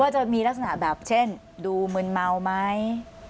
จะมีลักษณะแบบเช่นดูมึนเมาไหม